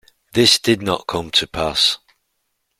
This did not come to pass.